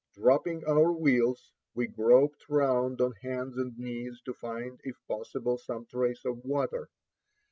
Dropping our wheels, we groped round on hands and knees, to find, if possible, some trace of water.